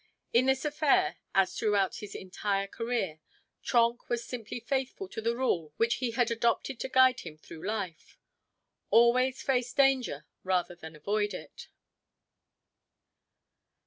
In this affair, as throughout his entire career, Trenck was simply faithful to the rule which he had adopted to guide him through life: "Always face danger rather than avoid it."